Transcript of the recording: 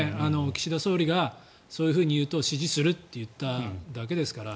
岸田総理がそういうふうに言うと支持すると言っただけですから。